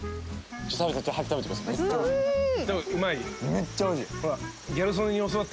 めっちゃおいしい！